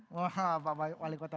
wah pak wali kota